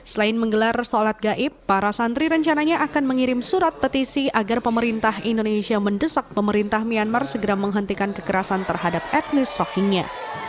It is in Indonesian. selain menggelar sholat gaib para santri rencananya akan mengirim surat petisi agar pemerintah indonesia mendesak pemerintah myanmar segera menghentikan kekerasan terhadap etnis rohingya